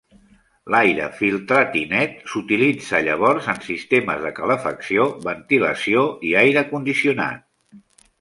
L'aire filtrat i net s'utilitza llavors en sistemes de calefacció, ventilació i aire condicionat.